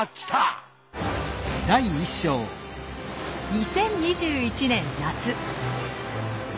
２０２１年夏。